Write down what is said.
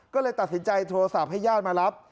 ก็เลยตัดสินใจโทรศัพท์ให้ญาติมารับ